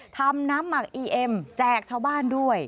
ทำน้ำหมักอีเอ็มแจกชาวบ้านด้วย